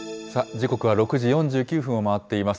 時刻は６時４９分を回っています。